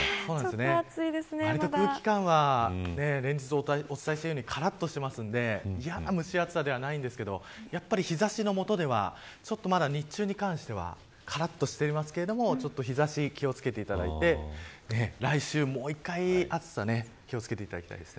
だいぶ空気感は連日お伝えしているようにからっとしていますので嫌な蒸し暑さはないんですけど日差しの下ではまだ日中に関してはからっとしていますけど日差しに気を付けていただいて来週もう一回、暑さに気を付けていただきたいです。